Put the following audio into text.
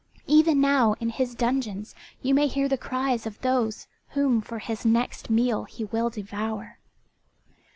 Even now in his dungeons you may hear the cries of those whom for his next meal he will devour."